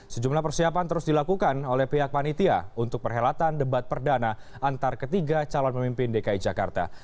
sejumlah persiapan terus dilakukan oleh pihak panitia untuk perhelatan debat perdana antar ketiga calon pemimpin dki jakarta